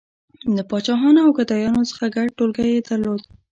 • له پاچاهانو او ګدایانو څخه ګډ ټولګی یې درلود.